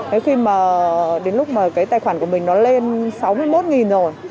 thế khi mà đến lúc mà cái tài khoản của mình nó lên sáu mươi một rồi